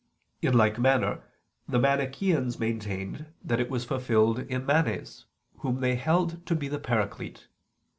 In like manner the Manicheans maintained that it was fulfilled in Manes whom they held to be the Paraclete.